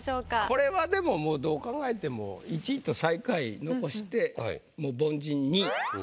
これはでももうどう考えても１位と最下位残してもう凡人２位。